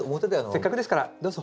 せっかくですからどうぞ。